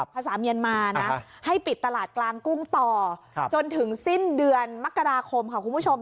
ภาษาเมียนมานะให้ปิดตลาดกลางกุ้งต่อจนถึงสิ้นเดือนมกราคมค่ะคุณผู้ชม